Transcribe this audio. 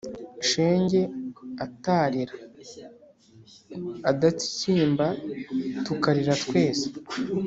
Shenge atarira, adatsigimba tukarira twese